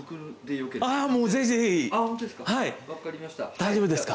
大丈夫ですか。